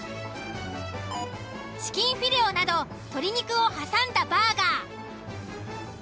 チキンフィレオなど鶏肉を挟んだバーガー。